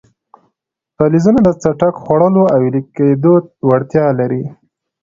فلزونه د څټک خوړلو او ویلي کېدو وړتیا لري.